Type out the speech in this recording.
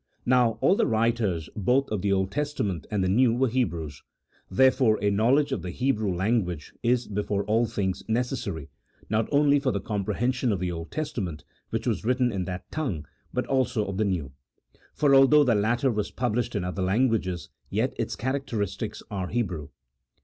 Now all the writers both of the Old Testament and the New were Hebrews : therefore, a knowledge of the Hebrew language is before all things necessary, not only for the comprehension of the Old Testament, which was written in that tongue, but also of the New : for although the latter was published in other languages, yet its characteristics are Hebrew.